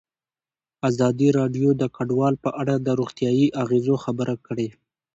ازادي راډیو د کډوال په اړه د روغتیایي اغېزو خبره کړې.